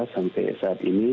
sampai saat ini